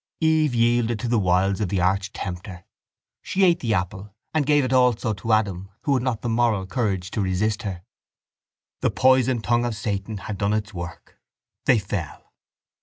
Eve yielded to the wiles of the arch tempter. She ate the apple and gave it also to Adam who had not the moral courage to resist her. The poison tongue of Satan had done its work. They fell.